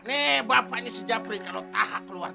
nih bapaknya si japri kalau tak hak keluar cek